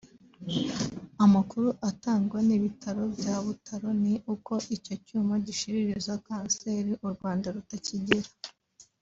Amakuru atangwa n’ ibitaro bya Butaro ni uko icyo cyuma gishiririza kanseri u Rwanda rutakigira